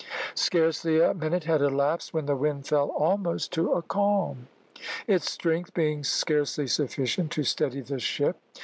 Scarcely a minute had elapsed when the wind fell almost to a calm, its strength being scarcely sufficient to steady the ship.